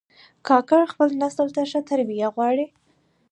کاکړ خپل نسل ته ښه تربیه غواړي.